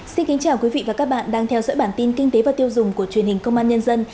xin kính chào quý vị và các bạn đang theo dõi bản tin kinh tế và tiêu dùng của truyền hình công an nhân dân